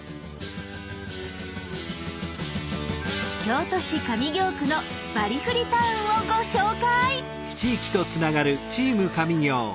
京都市上京区のバリフリ・タウンをご紹介！